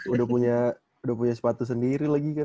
udah punya sepatu sendiri lagi kan